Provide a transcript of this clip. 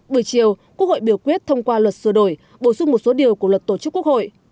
buổi chiều quốc hội biểu quyết thông qua luật sửa đổi bổ sung một số điều của luật tổ chức quốc hội